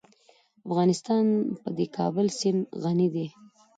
افغانستان په د کابل سیند غني دی.